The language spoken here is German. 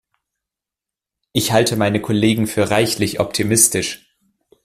Ich halte meine Kollegen für reichlich optimistisch.